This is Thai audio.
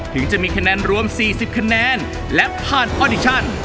ถึงจะมีคะแนนรวม๔๐คะแนนและผ่านออดิชัน